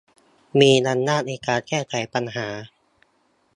มีอำนาจในการแก้ไขปัญหา